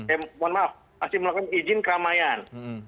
eh mohon maaf masih melakukan izin keramaian